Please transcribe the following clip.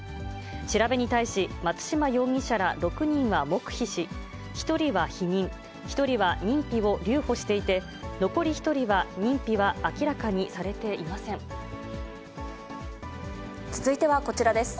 調べに対し、松嶋容疑者ら６人は黙秘し、１人は否認、１人は認否を留保していて、残り１人は認否は明らかにされて続いてはこちらです。